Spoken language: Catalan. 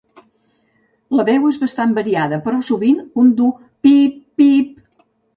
La veu és bastant variada, però sovint un dur "pip-pip".